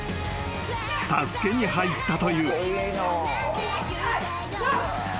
［助けに入ったという］